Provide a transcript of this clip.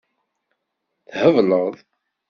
Thebleḍ?